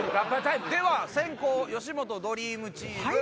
では先攻吉本ドリームチーム。